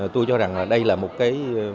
tôi cho rằng là đây là một cái